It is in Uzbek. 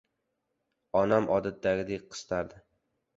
Onam odatdagidek qistardi: